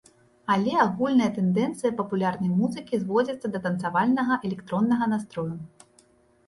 Але агульныя тэндэнцыі папулярнай музыкі зводзяцца да танцавальнага электроннага настрою.